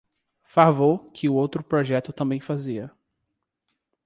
Favor que o outro projeto também fazia.